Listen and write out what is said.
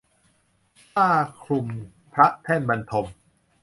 ผ้าคลุมพระแท่นบรรทม